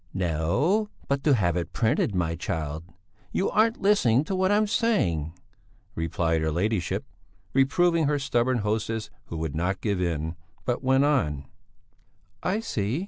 "No, but to have it printed, my child! You aren't listening to what I'm saying," replied her ladyship, reproving her stubborn hostess who would not give in, but went on: "I see!